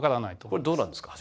これどうなんですか？